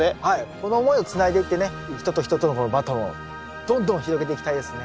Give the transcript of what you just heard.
この思いをつないでいってね人と人とのバトンをどんどん広げていきたいですね。